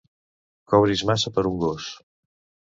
Cobris massa per un gos.